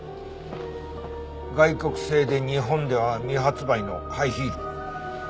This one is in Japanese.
外国製で日本では未発売のハイヒール。